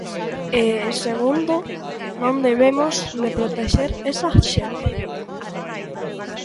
E, segundo, non debemos de protexer esa xente.